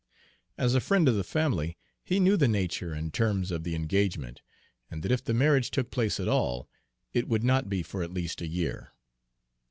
As a friend of the family, he knew the nature and terms of the engagement, and that if the marriage took place at all, it would not be for at least a year.